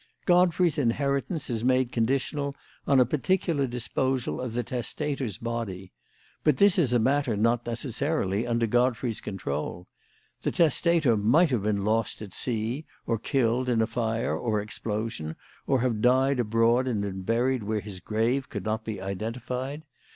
Godfrey's inheritance is made conditional on a particular disposal of the testator's body. But this is a matter not necessarily under Godfrey's control. The testator might have been lost at sea, or killed in a fire or explosion, or have died abroad and been buried where his grave could not be identified.